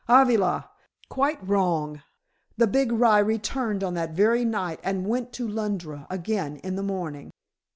Avali, quite wrong. The big rye returned on that very night and went to Lundra again in the morning."